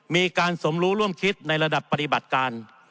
มีการสมรู้ร่วมคิดในระดับปฏิบัติการ